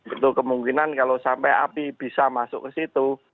itu kemungkinan kalau sampai api bisa masuk ke situ